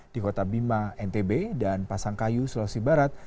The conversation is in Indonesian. di kota bima ntb dan pasangkayu sulawesi barat